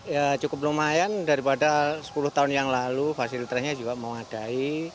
ya cukup lumayan daripada sepuluh tahun yang lalu fasilitasnya juga memadai